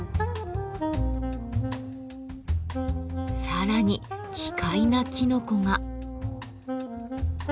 さらに奇怪なきのこが。